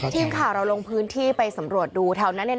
ทีมข่าวเราลงพื้นที่ไปสำรวจดูแถวนั้น